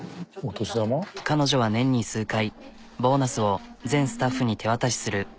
彼女は年に数回ボーナスを全スタッフに手渡しする。